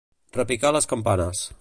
Repicar les campanes.